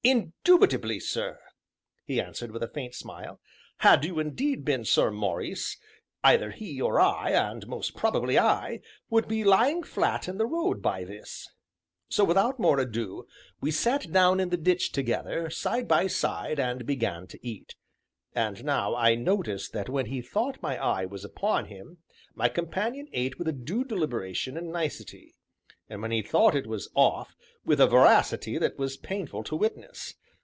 "Indubitably, sir," he answered with a faint smile; "had you indeed been Sir Maurice, either he or I, and most probably I, would be lying flat in the road, by this." So, without more ado, we sat down in the ditch together, side by side, and began to eat. And now I noticed that when he thought my eye was upon him, my companion ate with a due deliberation and nicety, and when he thought it was off, with a voracity that was painful to witness.